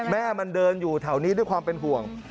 แม่มันเดินอยู่แถวนี้ด้วยความเป็นห่วง